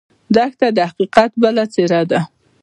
دښته د حقیقت بله څېره ده.